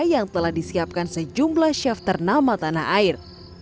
yang telah disiapkan sejumlah chef ternama tanah air